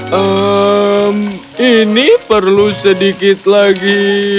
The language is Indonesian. hmm ini perlu sedikit lagi